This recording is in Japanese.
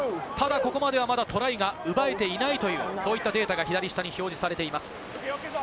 ただ、ここまではまだトライが奪えていないという、そういったデータが左下に表示されています。